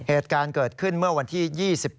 เหตุการณ์เกิดขึ้นเมื่อวันที่๒๗